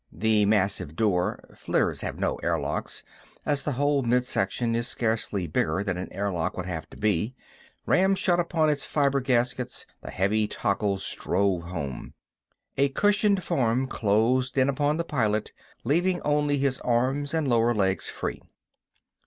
The massive door—flitters have no airlocks, as the whole midsection is scarcely bigger than an airlock would have to be—rammed shut upon its fiber gaskets, the heavy toggles drove home. A cushioned form closed in upon the pilot, leaving only his arms and lower legs free.